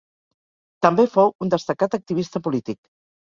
També fou un destacat activista polític.